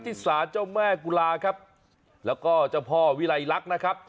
ที่ศาลเจ้าแม่กุลาครับแล้วก็เจ้าพ่อวิลัยลักษณ์นะครับ